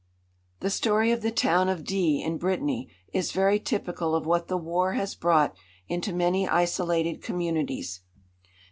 The story of the town of D , in Brittany, is very typical of what the war has brought into many isolated communities.